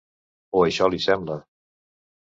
O això li sembla.